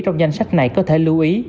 trong danh sách này có thể lưu ý